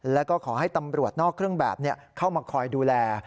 แล้วก็ขอให้ตำรวจนอกเครื่องแบบเข้ามาคอยดูแล